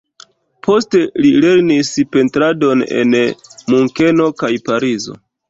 Poste li lernis pentradon en Munkeno kaj Parizo.